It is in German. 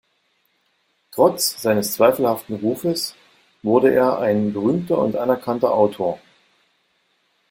Trotz seines zweifelhaften Rufes wurde er ein berühmter und anerkannter Autor.